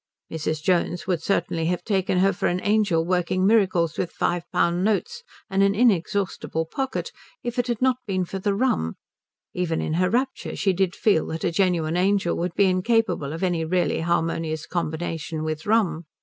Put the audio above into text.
Mrs. Jones would certainly have taken her for an angel working miracles with five pound notes and an inexhaustible pocket if it had not been for the rum; even in her rapture she did feel that a genuine angel would be incapable of any really harmonious combination with rum.